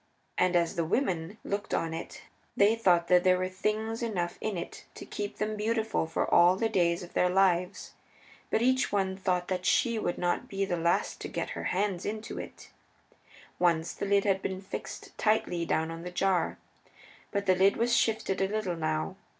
And as the women looked on it they thought that there were things enough in it to keep them beautiful for all the days of their lives. But each one thought that she should not be the last to get her hands into it. Once the lid had been fixed tightly down on the jar. But the lid was shifted a little now.